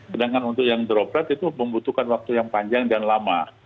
sedangkan untuk yang droplet itu membutuhkan waktu yang panjang dan lama